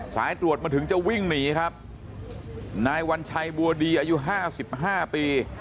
สายตรวจมาถึงจะวิ่งหนีครับนายวัญชัยบัวดีอายุห้าสิบห้าปี